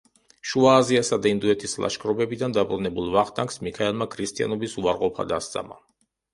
შუა აზიასა და ინდოეთის ლაშქრობებიდან დაბრუნებულ ვახტანგს მიქაელმა ქრისტიანობის უარყოფა დასწამა.